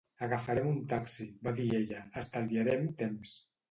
"Agafarem un taxi", va dir ella. "estalviarem temps".